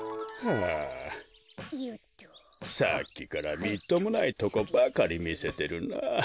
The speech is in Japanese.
さっきからみっともないとこばかりみせてるな。